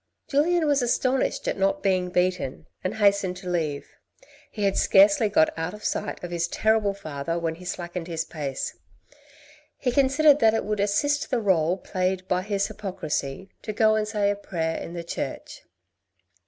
Julien was astonished at not being beaten and hastened to leave. He had scarcely got out of sight of his terrible father when he slackened his pace. He considered that it would assist the role played by his hyprocrisy to go and say a prayer in the church.